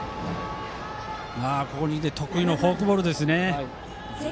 ここに来て得意のフォークボールですね。